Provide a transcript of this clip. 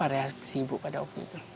reaksi ibu pada waktu itu